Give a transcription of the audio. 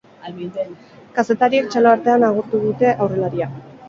Kazetariek txalo artean agurtu dute aurrelaria.